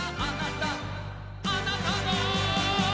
「あなたが」